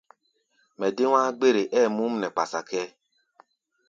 Mɛ dé wá̧á̧-gbére, ɛɛ múm bé kpasa kʼɛ́ɛ́.